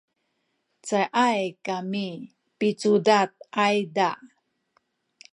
cayay kami picudad ayza